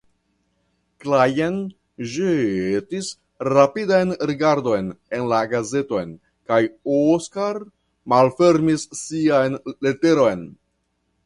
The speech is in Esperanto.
Klajn ĵetis rapidan rigardon en la gazeton kaj Oskar malfermis sian leteron.